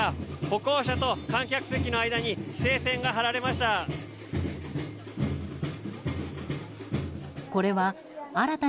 歩行者と観客席の間に規制線が張られました。